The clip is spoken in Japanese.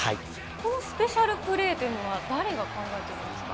このスペシャルプレーというのは、誰が考えているんですか？